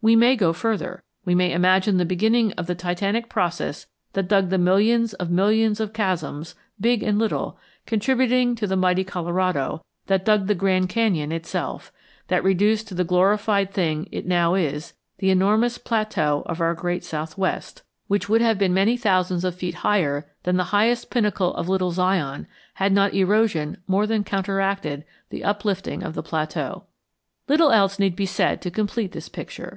We may go further. We may imagine the beginning of the titanic process that dug the millions of millions of chasms, big and little, contributing to the mighty Colorado, that dug the Grand Canyon itself, that reduced to the glorified thing it now is the enormous plateau of our great southwest, which would have been many thousands of feet higher than the highest pinnacle of Little Zion had not erosion more than counteracted the uplifting of the plateau. Little else need be said to complete this picture.